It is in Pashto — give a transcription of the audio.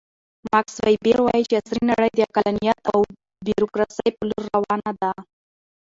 ماکس ویبر وایي چې عصري نړۍ د عقلانیت او بیروکراسۍ په لور روانه ده.